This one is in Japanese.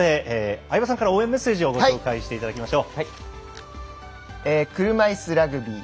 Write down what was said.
ではここで相葉さんから応援メッセージをご紹介していただきましょう。